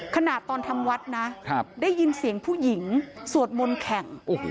ขณะตอนทำวัดนะครับได้ยินเสียงผู้หญิงสวดมนต์แข่งเพราะโอ้โห